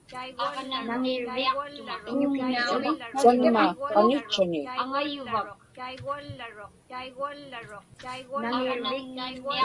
saŋma qanitchani